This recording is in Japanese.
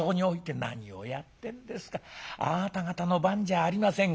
あなた方の番じゃありませんか。